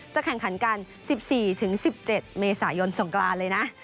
แข่งขันกัน๑๔๑๗เมษายนสงกรานเลยนะ